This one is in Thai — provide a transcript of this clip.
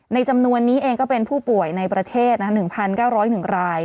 จำนวนนี้เองก็เป็นผู้ป่วยในประเทศ๑๙๐๑ราย